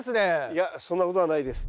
いやそんなことはないです。